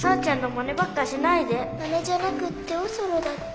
マネじゃなくっておそろだって。